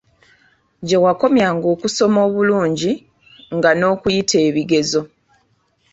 Gye wakomyanga okusoma obulungi nga n'okuyita ebigezo.